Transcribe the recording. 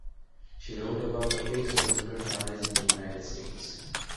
She wrote about the fates of emigrant families in the United States.